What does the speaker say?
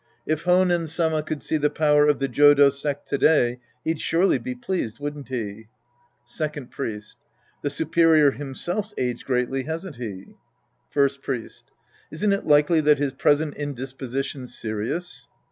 If Honen Sama could see the power of the Jodo sect to day, he'd surely be pleased, wouldn't he ? Second Priest. The superior himself 's aged greatly, hasn't he ? First Priest. Isn't it likely that his present indis position's serious